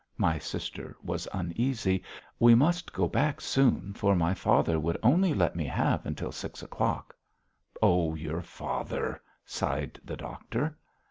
My sister was uneasy. "We must go back soon, for my father would only let me have until six o'clock." "Oh, your father," sighed the doctor.